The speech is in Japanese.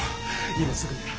今すぐにだ。